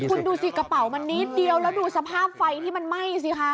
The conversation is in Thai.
คุณดูสิกระเป๋ามันนิดเดียวแล้วดูสภาพไฟที่มันไหม้สิคะ